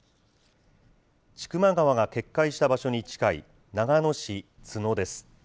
千曲川が決壊した場所に近い長野市津野です。